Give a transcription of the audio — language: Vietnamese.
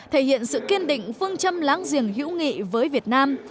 thể hiện sự kiên định phương châm láng giềng hữu nghị với việt nam